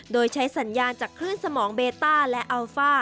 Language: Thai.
โดยใช้สัญญาณจากคลื่นสมองเบต้าและอัลฟ่า